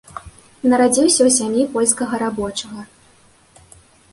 Нарадзіўся ў сям'і польскага рабочага.